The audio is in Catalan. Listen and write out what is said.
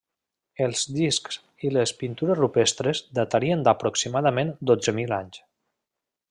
Els discs i les pintures rupestres datarien d'aproximadament dotze mil anys.